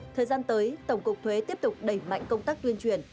thời gian tới tổng cục thuế tiếp tục đẩy mạnh công tác tuyên truyền